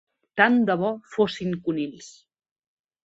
Tant de bo fossin conills.